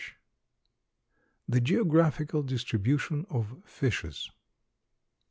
] THE GEOGRAPHICAL DISTRIBUTION OF FISHES.